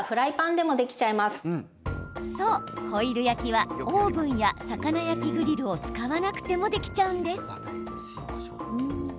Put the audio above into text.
そう、ホイル焼きはオーブンや魚焼きグリルを使わなくてもできちゃうんです。